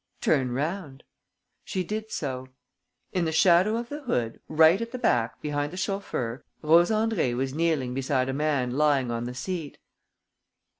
"Turn round." She did so. In the shadow of the hood, right at the back, behind the chauffeur, Rose Andrée was kneeling beside a man lying on the seat.